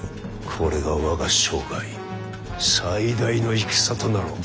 これが我が生涯最大の戦となろう。